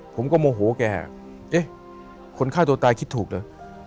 ผมก็โมโหแกเอ๊ะคนฆ่าตัวตายคิดถูกเหรอ